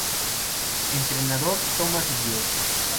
Entrenador: Tomas de Dios